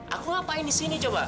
aku ngapain di sini coba